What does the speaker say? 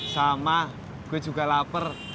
sama gue juga lapar